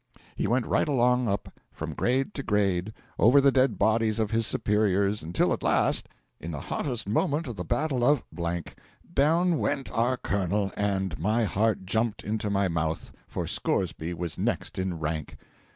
He went right along up, from grade to grade, over the dead bodies of his superiors, until at last, in the hottest moment of the battle of... down went our colonel, and my heart jumped into my mouth, for Scoresby was next in rank!